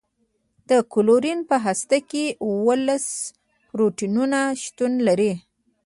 د کلورین په هسته کې اوولس پروتونونه شتون لري.